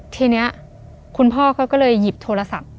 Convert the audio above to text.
ทีนี้คุณพ่อเขาก็เลยหยิบโทรศัพท์